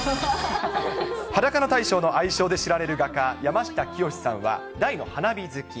裸の大将の愛称で知られる画家、山下清さんは大の花火好き。